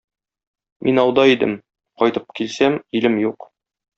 Мин ауда идем, кайтып килсәм: илем юк.